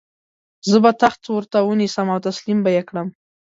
زه به تخت ورته ونیسم او تسلیم به یې کړم.